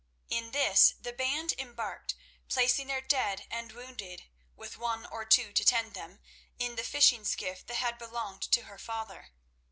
In this the band embarked, placing their dead and wounded, with one or two to tend them, in the fishing skiff that had belonged to her father.